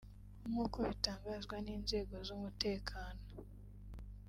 nk’uko bitangazwa n’inzego z’umutekano